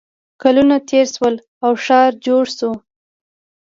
کلونه تېر شول او ښار جوړ شو